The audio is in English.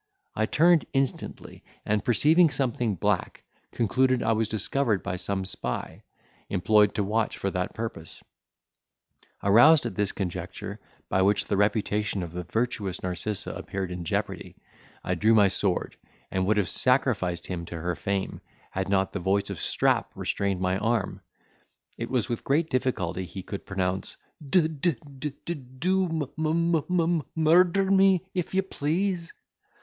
I turned instantly, and, perceiving something black, concluded I was discovered by some spy, employed to watch for that purpose; aroused at this conjecture, by which the reputation of the virtuous Narcissa appeared in jeopardy, I drew my sword, and would have sacrificed him to her fame, had not the voice of Strap restrained my arm, it was with great difficulty he could pronounce, "D—d—d do! mum—um—um—murder me if you please."